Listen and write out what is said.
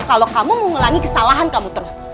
kalau kamu mau ngelangi kesalahan kamu terus